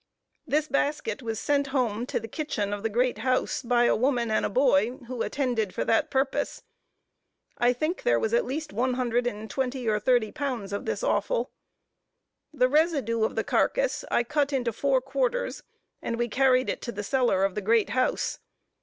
This basket was sent home, to the kitchen of the great house, by a woman and a boy, who attended for that purpose. I think there was at least one hundred and twenty or thirty pounds of this offal. The residue of the carcass I cut into four quarters, and we carried it to the cellar of the great house.